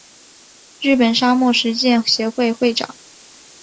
日本沙漠实践协会会长。